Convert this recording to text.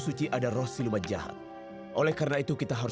suci aku peranjat suamimu